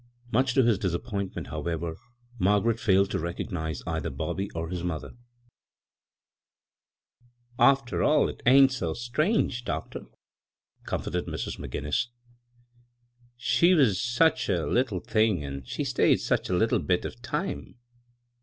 Much to his disappointment, how ever, Margaret ^ied to recognize either Bobby or his mother. "After all, it ain't so strange, doctor," ■99 bGooglt' CROSS CURRENT^ comforted Mrs. McGionis. " She was such a litUe thing, an' she stayed such a little bit of time.